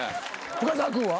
深澤君は？